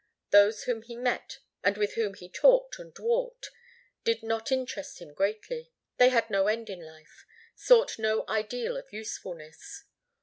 Those whom he met and with whom he talked and walked did not interest him greatly. They had no end in life, sought no ideal of usefulness.